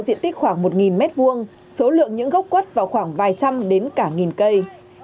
diện tích khoảng một mét vuông số lượng những gốc quất vào khoảng vài trăm đến cả nghìn cây